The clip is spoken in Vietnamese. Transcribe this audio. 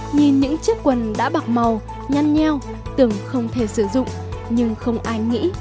nhìn những chiếc quần đã bạc màu nhanh nheo tưởng không thể sử dụng nhưng không ai nghĩ